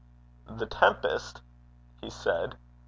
'The Tempest?' he said.